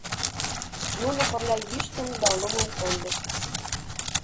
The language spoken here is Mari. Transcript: Нуно пырля йӱштым да лумым кондышт.